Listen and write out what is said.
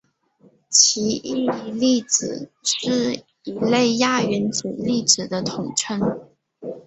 奇异粒子是一类亚原子粒子的统称。